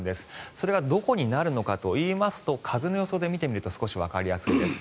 それはどこになるのかといいますと風の予想で見てみると少しわかりやすいです。